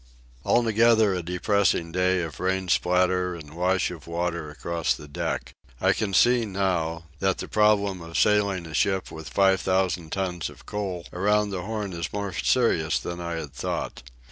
Altogether a depressing day of rain splatter and wash of water across the deck. I can see, now, that the problem of sailing a ship with five thousand tons of coal around the Horn is more serious than I had thought.